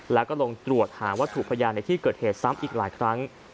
แล้วก็ลงตรวจหาวัตถุพยานในที่เกิดเหตุซ้ำอีกหลายครั้ง